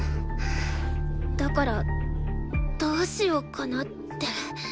だからどうしようかなって。